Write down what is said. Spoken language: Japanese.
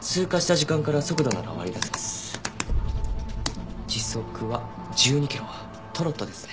時速は１２キロトロットですね。